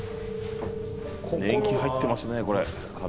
年季入ってますねこれ壁。